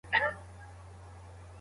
ساینس پوهنځۍ په اسانۍ سره نه منظوریږي.